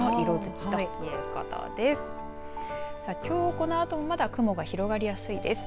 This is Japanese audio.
きょう、このあとまだ雲が広がりやすいです。